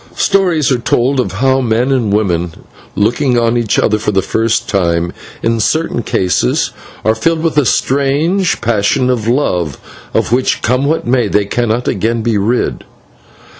Stories are told of how men and women, looking on each other for the first time, in certain cases are filled with a strange passion of love, of which, come what may, they can not again be rid.